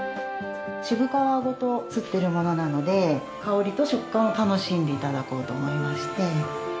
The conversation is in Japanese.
しぶ皮ごとすっているものなので香りと食感を楽しんで頂こうと思いまして。